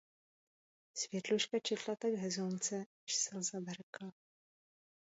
Světluška četla tak hezounce, až slza vhrkla.